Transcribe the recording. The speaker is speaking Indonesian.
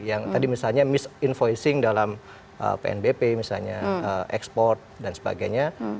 yang tadi misalnya misinvoising dalam pnbp misalnya ekspor dan sebagainya